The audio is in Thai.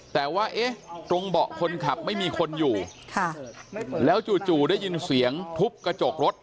แต่ว่าเอ๊ะตรงเบาะคนขับไม่มีคนอยู่แล้วจู่ได้ยินเสียงทุบกระจกรถ